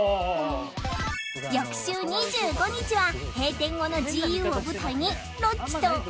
翌週２５日は閉店後の ＧＵ を舞台にロッチとワンカットコント